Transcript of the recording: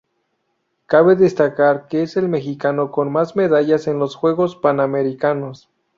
Cabe destacar que es el mexicano con más medallas en los Juegos Panamericanos.